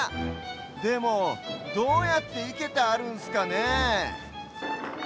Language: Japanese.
でもどうやっていけてあるんすかねえ？